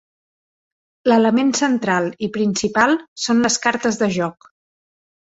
L'element central i principal són les cartes de joc.